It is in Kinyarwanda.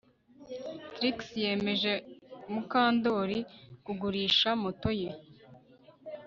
Trix yemeje Mukandoli kugurisha moto ye